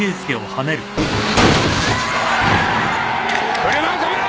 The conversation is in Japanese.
車を止めろ！